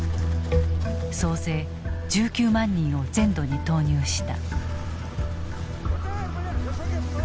総勢１９万人を全土に投入した。